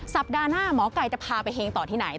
สัปดาห์หน้าหมอไก่จะพาไปเฮงต่อที่ไหน